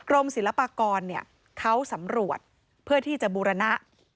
ศิลปากรเขาสำรวจเพื่อที่จะบูรณะ